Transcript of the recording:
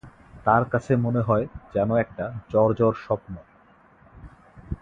তার কাছে মনে হয় যেন একটা জ্বর জ্বর স্বপ্ন।